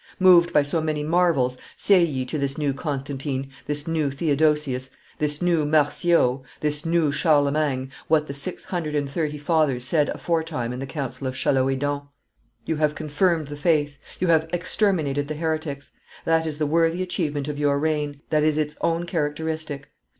Moved by so many marvels, say ye to this new Constantine, this new Theodosius, this new Marciaau, this new Charlemagne, what the six hundred and thirty Fathers said aforetime in the council of Chaloedon, You have confirmed the faith; you have exterminated the heretics; that is the worthy achievement of your reign, that is its own characteristic.